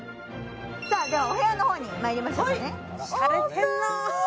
ではお部屋の方にまいりましょうかね。